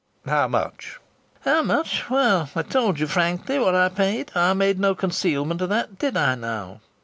"How much?" "How much? Well, I told you frankly what I paid. I made no concealment of that, did I now?